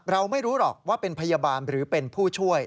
เราไม่รู้หรอกว่าเป็นพยาบาลหรือเป็นผู้ช่วย